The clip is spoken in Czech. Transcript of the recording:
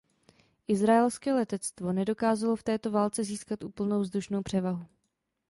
Izraelské letectvo nedokázalo v této válce získat úplnou vzdušnou převahu.